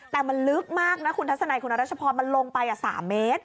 แต่มันลึกมากนะคุณทัศนัยคุณรัชพรมันลงไป๓เมตร